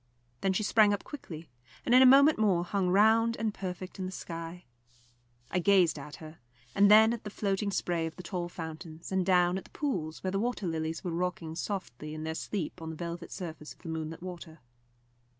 Then she sprang up quickly, and in a moment more hung round and perfect in the sky. I gazed at her, and then at the floating spray of the tall fountains, and down at the pools, where the water lilies were rocking softly in their sleep on the velvet surface of the moonlit water.